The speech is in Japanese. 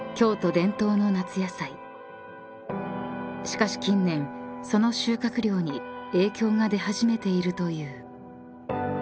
［しかし近年その収穫量に影響が出始めているという］